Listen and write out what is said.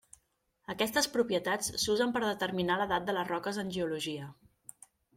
Aquestes propietats s'usen per determinar l'edat de les roques en geologia.